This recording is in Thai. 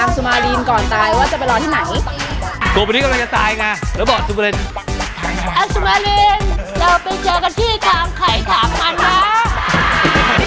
นี่คือมาร์ตอยากจะทราบว่ากูหลีบอกอังซูมารินก่อนตายว่าจะไปรอที่ไหน